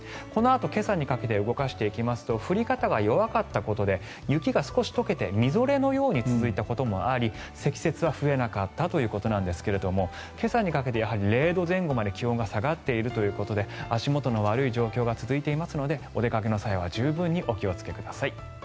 このあと今朝にかけて動かしていきますと降り方が弱かったことで雪が少し解けてみぞれのように続いたこともあり積雪は増えなかったということですが今朝にかけて０度前後まで気温が下がっているということで足元の悪い状況が続いていますのでお出かけの際は十分にお気をつけください。